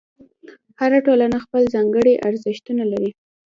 هره ټولنه خپل ځانګړي ارزښتونه لري.